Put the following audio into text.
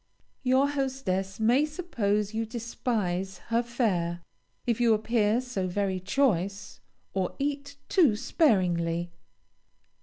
Your hostess may suppose you despise her fare, if you appear so very choice, or eat too sparingly.